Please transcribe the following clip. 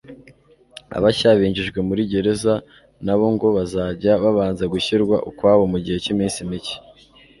Abashya binjijwe muri gereza na bo ngo bazajya babanza gushyirwa ukwabo mu gihe cy'iminsi mike